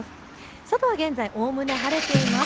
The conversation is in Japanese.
外は現在、おおむね晴れています。